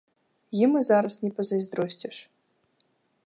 Ім і зараз не пазайздросціш.